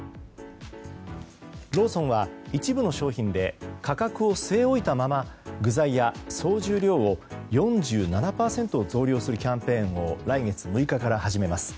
ローソンは一部の商品で価格を据え置いたまま具材や総重量を４７％増量するキャンペーンを来月６日から始めます。